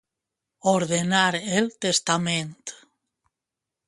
Ordenar el testament.